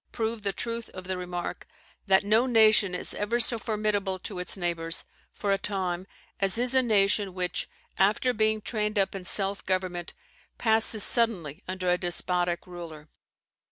proved the truth of the remark, that no nation is ever so formidable to its neighbours, for a time, as is a nation, which, after being trained up in self government, passes suddenly under a despotic ruler.